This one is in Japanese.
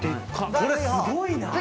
・これすごいな次！